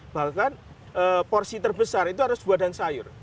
bahkan porsi terbesar itu harus buah dan sayur